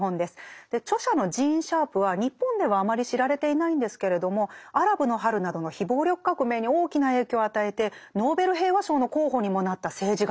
著者のジーン・シャープは日本ではあまり知られていないんですけれども「アラブの春」などの非暴力革命に大きな影響を与えてノーベル平和賞の候補にもなった政治学者なんです。